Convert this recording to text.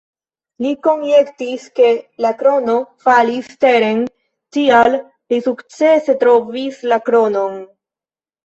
Li konjektis, ke la krono falis teren, tial li sukcese trovis la kronon.